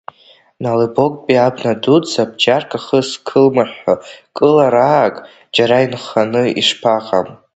Налибоктәи абна дуӡӡа, бџьарк ахы зкылмыҳәҳәо кылаарак џьара инханы ишԥаҟам?!